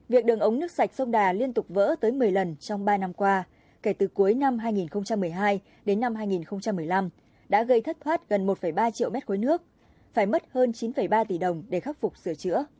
việc đường ống nước sạch sông đà liên tục vỡ tới một mươi lần trong ba năm qua kể từ cuối năm hai nghìn một mươi hai đến năm hai nghìn một mươi năm đã gây thất thoát gần một ba triệu mét khối nước phải mất hơn chín ba tỷ đồng để khắc phục sửa chữa